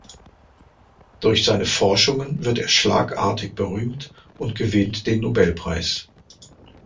Durch seine Forschungen wird er schlagartig berühmt und gewinnt den Nobelpreis.